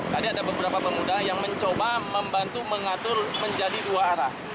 tadi ada beberapa pemuda yang mencoba membantu mengatur menjadi dua arah